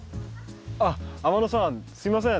あっ天野さんすみません。